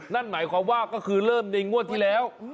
นั่นหมายความว่าก็คือเริ่มในงวดที่แล้ว